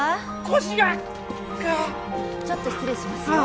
腰がちょっと失礼しますよ